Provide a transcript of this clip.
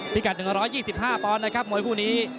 พิกัด๑๒๕ปอนด์นะครับมวยคู่นี้